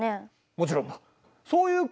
もちろんだ。